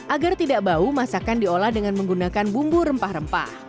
agar tidak bau masakan diolah dengan menggunakan bumbu rempah rempah